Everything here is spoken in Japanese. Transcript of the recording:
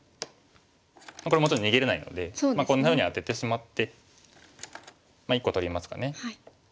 これもちろん逃げれないのでこんなふうにアテてしまって１個取りますかね。